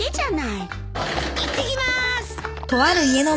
いってきまーす！